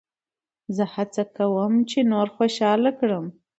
زه هڅه کوم، چي نور خوشحاله کړم.